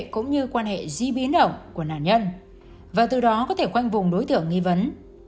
cũng như quan hệ di biến động của nạn nhân và từ đó có thể khoanh vùng đối tượng nghi vấn